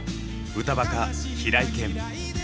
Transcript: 歌バカ平井堅